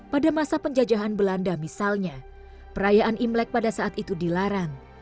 pada masa penjajahan belanda misalnya perayaan imlek pada saat itu dilarang